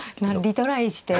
リトライして。